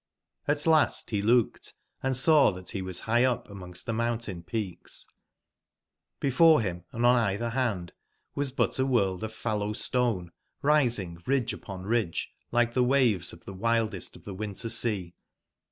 Ht last be looked, and saw that be was bigb up amongst tbe mountain/peaks: before bim and on eitber band was but a world of fallow stone rising ridge upon ridge like tbe waves of tbe wildest of tbe winter sea.